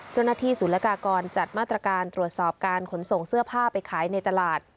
ศูนย์ละกากรจัดมาตรการตรวจสอบการขนส่งเสื้อผ้าไปขายในตลาด